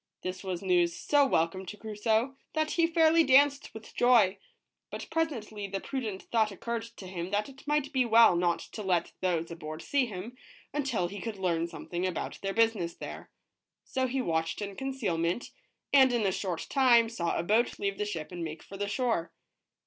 This was news so welcome to Crusoe that he fairly danced with joy, but presently the prudent thought occurred to him that it might be* well not to let those aboard see him, until he could learn something about their business there. So he watched in concealment, and in a short time saw a boat leave the ship and make for the shore.